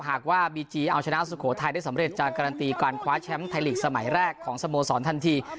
หากว่าบีจีเอาชนะสุโขทัยได้สำเร็จจะการันตีการคว้าแชมป์ไทยลีกสมัยแรกของสโมสรทันที